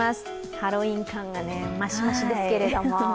ハロウィーン感が増し増しですけれども。